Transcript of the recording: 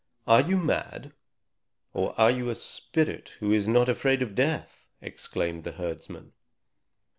"Are you mad, or are you a spirit who is not afraid of death!" exclaimed the herdsman.